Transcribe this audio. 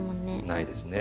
ないですね。